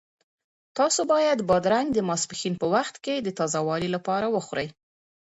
تاسو باید بادرنګ د ماسپښین په وخت کې د تازه والي لپاره وخورئ.